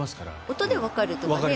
音でわかるとか。